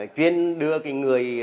chuyên đưa cái người